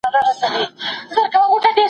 ايا ارواپوهنه فردي چلند څېړي؟